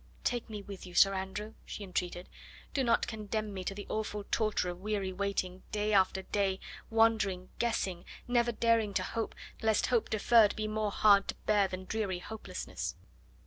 "Take me with you, Sir Andrew," she entreated; "do not condemn me to the awful torture of weary waiting, day after day, wondering, guessing, never daring to hope, lest hope deferred be more hard to bear than dreary hopelessness."